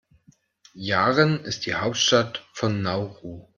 Yaren ist die Hauptstadt von Nauru.